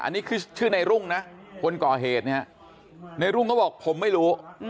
อันนี้คือชื่อในรุ่งนะคนก่อเหตุเนี่ยในรุ่งก็บอกผมไม่รู้